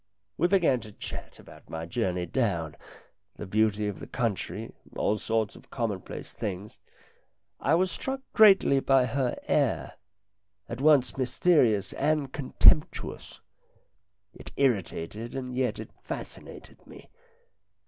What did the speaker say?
We began to chat about my journey down, the beauty of the country, all sorts of commonplace things. I was struck greatly by her air, at once mysterious and contemptuous. It irritated, and yet it fascinated me.